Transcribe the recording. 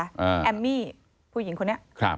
แอมมี่ผู้หญิงคนนี้